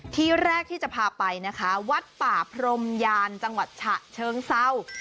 ที่แรกที่จะพาไปนะคะวัดป่าพรมยานจังหวัดฉะเชิงเศร้า